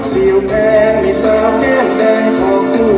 ขอห้องแก่งแก่งบุรินแด่กินเสียงร้อน